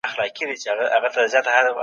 په تحقیق کې له حواسو کار اخیستل کیږي.